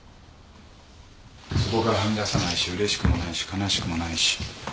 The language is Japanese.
そこからはみ出さないしうれしくもないし悲しくもないし。